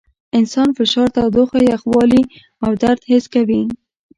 انسان فشار، تودوخه، یخوالي او درد حس کوي.